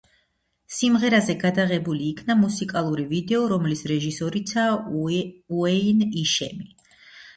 სიმღერაზე გადაღებული იქნა მუსიკალური ვიდეო, რომლის რეჟისორიცაა უეინ იშემი.